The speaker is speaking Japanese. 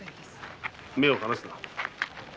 目を離すな。